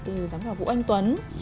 từ giám khảo vũ anh tuấn